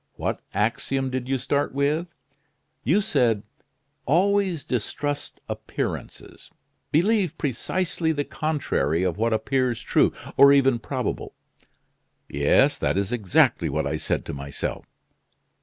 What axiom did you start with? You said: 'Always distrust appearances; believe precisely the contrary of what appears true, or even probable.'" "Yes, that is exactly what I said to myself."